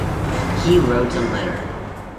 He wrote a letter.